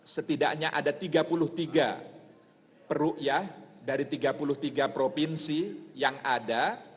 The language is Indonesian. setidaknya ada tiga puluh tiga ⁇ ruyah dari tiga puluh tiga provinsi yang ada